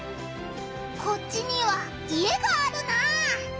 こっちには家があるなあ。